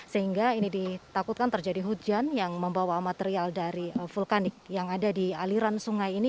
sehingga ini ditakutkan terjadi hujan yang membawa material dari vulkanik yang ada di aliran sungai ini